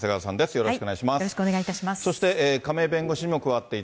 よろしくお願いします。